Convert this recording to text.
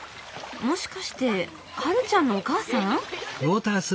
もしかしてはるちゃんのお母さん？